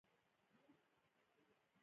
کېدای شي همدا اوس حمله وکړي، داسې ګنګوسې دي.